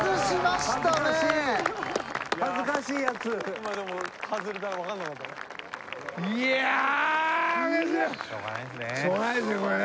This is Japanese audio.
しょうがないですよこれね。